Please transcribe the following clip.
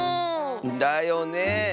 だよね。